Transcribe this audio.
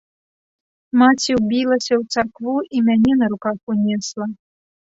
Маці ўбілася ў царкву і мяне на руках унесла.